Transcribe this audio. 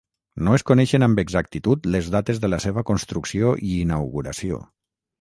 No es coneixen amb exactitud les dates de la seva construcció i inauguració.